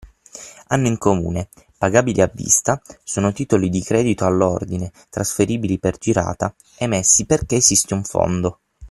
Hanno in comune: pagabili a vista, sono titoli di credito all’ordine(trasferibili per girata) , emessi perché esiste un fondo.